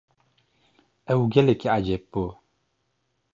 Ew gelekî ecêb bû.